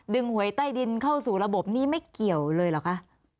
หวยใต้ดินเข้าสู่ระบบนี้ไม่เกี่ยวเลยเหรอคะ